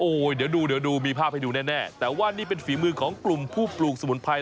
โอ้โหเดี๋ยวดูเดี๋ยวดูมีภาพให้ดูแน่แต่ว่านี่เป็นฝีมือของกลุ่มผู้ปลูกสมุนไพร